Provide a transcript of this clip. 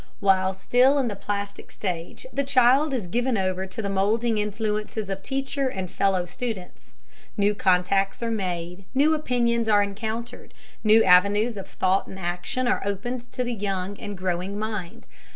While still in the plastic stage the child is given over to the moulding influences of teacher and fellow students. New contacts are made, new opinions are encountered, new avenues of thought and action are opened to the young and growing mind.